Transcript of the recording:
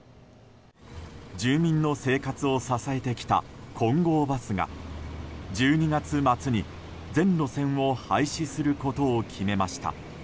住民の生活を支えてきた金剛バスが１２月末に全路線を廃止することを決めました。